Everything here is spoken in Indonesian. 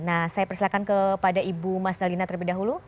nah saya persilakan kepada ibu mas dalina terlebih dahulu